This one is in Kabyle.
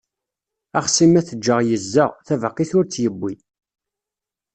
Axṣim ad t-ǧǧeɣ yezza, tabaqit ur tt-yewwi.